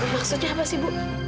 maksudnya apa sih bu